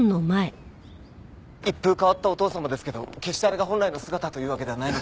一風変わったお義父様ですけど決してあれが本来の姿というわけではないので。